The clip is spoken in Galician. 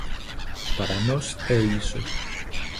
Para nós é iso.